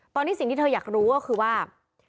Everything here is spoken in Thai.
ตอนนี้สิ่งที่เธออยากรู้ก็คือว่า